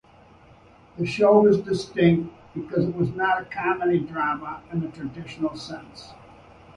The show was distinct, because it was not a comedy-drama in the traditional sense.